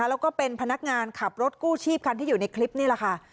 แล้วก็เป็นพนักงานขับรถกู้ชีพคันที่อยู่ในคลิปนี่แหละค่ะ